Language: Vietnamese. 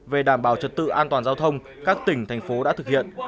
về đảm bảo trật tự an toàn giao thông các tỉnh thành phố đã thực hiện